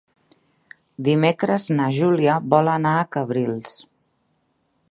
Dimecres na Júlia vol anar a Cabrils.